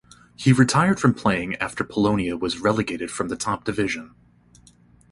He retired from playing after Polonia was relegated from the top division.